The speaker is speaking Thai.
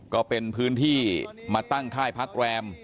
ก็เป็นพื้นที่มาตั้งค่ายพักแรม